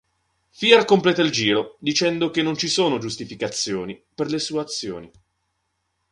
Fear completa il giro dicendo che non ci sono giustificazioni per le sue azioni.